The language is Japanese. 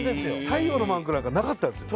太陽のマークなんかなかったっすよ